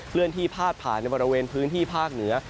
เลื่อนที่พาดผ่านในบริเวณพื้นที่ภาคเหนือ